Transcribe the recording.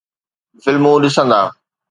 فلمون ڏسندا